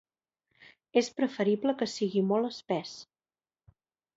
És preferible que sigui molt espès.